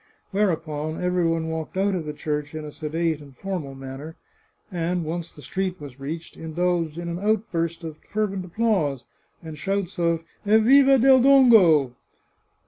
Whereupon every one walked out of the church in a sedate and formal manner, and, once the street was reached, indulged in an outburst of fer vent applause, and shouts of " Evviva del Dongo